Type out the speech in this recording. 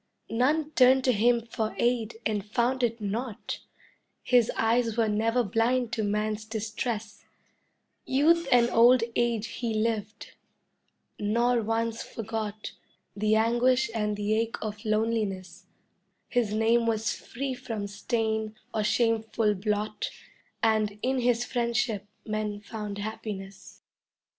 "None turned to him for aid and found it not, His eyes were never blind to man's distress, Youth and old age he lived, nor once forgot The anguish and the ache of loneliness; His name was free from stain or shameful blot And in his friendship men found happiness."